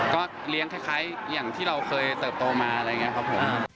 ก็เลี้ยงคล้ายอย่างที่เราเคยเติบโตมาอะไรอย่างนี้ครับผม